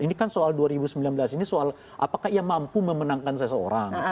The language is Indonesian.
ini kan soal dua ribu sembilan belas ini soal apakah ia mampu memenangkan seseorang